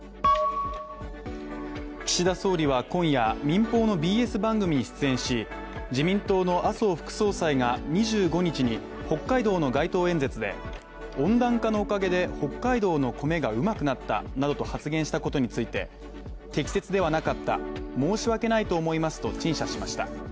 岸田総理は今夜、民放のＢＳ番組に出演し自民党の麻生副総裁が２５日に北海道の街頭演説で、温暖化のおかげで北海道のコメがうまくなったなどと発言したことについて、適切ではなかった申し訳ないと思いますと陳謝しました。